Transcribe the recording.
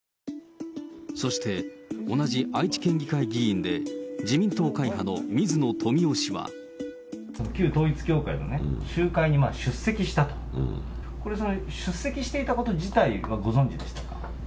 そして、同じ愛知県議会議員で、旧統一教会の集会に出席したと、これ、出席していたこと自体はご存じでした？